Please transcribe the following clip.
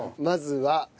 まずは。